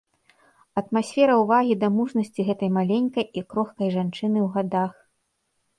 Атмасфера ўвагі да мужнасці гэтай маленькай і крохкай жанчыны ў гадах.